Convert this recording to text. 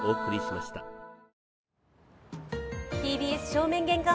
ＴＢＳ正面玄関